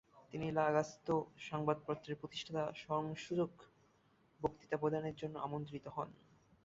তিনি La Gaceta সংবাদপত্রের প্রতিষ্ঠায় স্মারকসূচক বক্তৃতা প্রদানের জন্য আমন্ত্রিত হন।